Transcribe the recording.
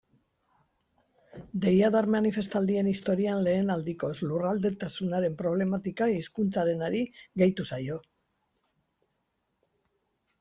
Deiadar manifestaldien historian lehen aldikoz, lurraldetasunaren problematika hizkuntzarenari gehitu zaio.